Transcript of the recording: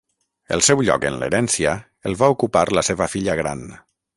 El seu lloc en l'herència el va ocupar la seva filla gran.